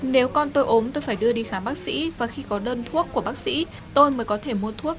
nếu con tôi ốm tôi phải đưa đi khám bác sĩ và khi có đơn thuốc của bác sĩ tôi mới có thể mua thuốc